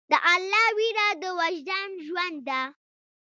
د الله ویره د وجدان ژوند ده.